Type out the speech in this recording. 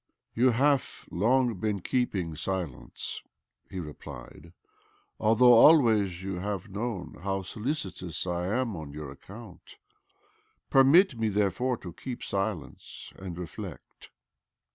" You have long been keeping silence," he replied, " although always you have known how solicitous I am on your account. Permit me, therefore, to keep silence and reflect."